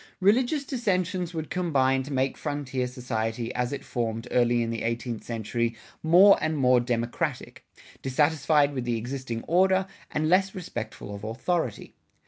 Religious dissensions would combine to make frontier society as it formed early in the eighteenth century more and more democratic, dissatisfied with the existing order, and less respectful of authority.